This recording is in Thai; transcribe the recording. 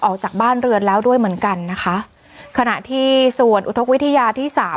ออกจากบ้านเรือนแล้วด้วยเหมือนกันนะคะขณะที่ส่วนอุทธกวิทยาที่สาม